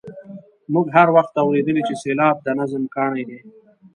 موږ هر وخت اورېدلي چې سېلاب د نظم کاڼی دی.